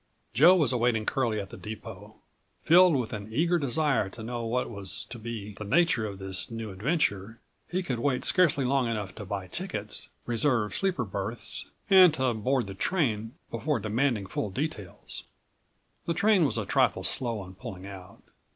Joe was awaiting Curlie at the depot. Filled with an eager desire to know what was to be the nature of this new adventure, he could wait scarcely long enough to buy tickets, reserve sleeper berths, and to board the train before demanding full details. The train was a trifle slow in pulling out.